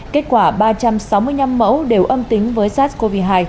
kết quả ba trăm sáu mươi năm mẫu đều âm tính với sars cov hai